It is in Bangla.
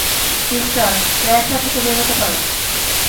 ক্রিস্টাল, ক্যারেক্টার থেকে বের হতে পারো।